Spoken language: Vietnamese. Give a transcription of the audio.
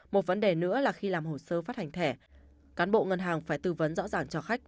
một vấn đề nữa là khi làm hồ sơ phát hành thẻ cán bộ ngân hàng phải tư vấn rõ ràng cho khách